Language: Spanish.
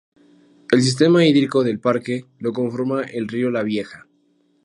El sistema hídrico del parque lo conforma el río La Vieja.